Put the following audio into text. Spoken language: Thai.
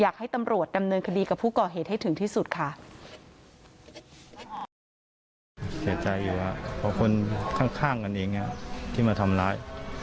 คนข้างกันเองที่มาทำร้าย